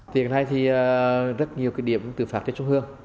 tiền này thì rất nhiều cái điểm tự phát để trúc hương